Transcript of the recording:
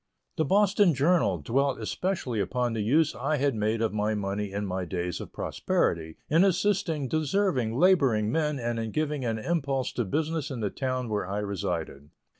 The Boston Journal dwelt especially upon the use I had made of my money in my days of prosperity in assisting deserving laboring men and in giving an impulse to business in the town where I resided.